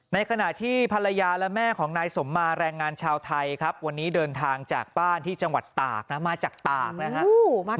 ในขณะที่ภรรยาและแม่ของนายสมมาแรงงานชาวไทยครับวันนี้เดินทางจากบ้านที่จังหวัดตากนะมาจากตากนะครับ